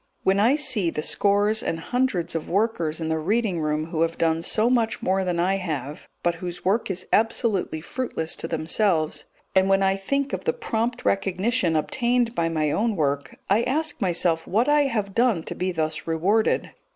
When I see the scores and hundreds of workers in the reading room who have done so much more than I have, but whose work is absolutely fruitless to themselves, and when I think of the prompt recognition obtained by my own work, I ask myself what I have done to be thus rewarded.